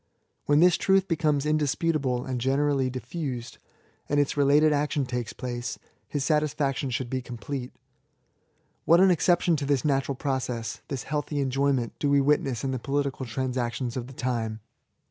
When this truth becomes indisputable and generally diffiised^ and its related action takes place, his satisfaction should be complete. What an exception to this natural process, this healthy enjojrment, do we witness in the political transactions of the time